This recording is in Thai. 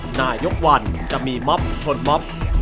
นายกวันจะมีม็อบชนม็อบ